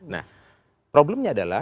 nah problemnya adalah